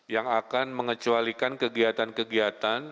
yang akan mengecualikan kegiatan kegiatan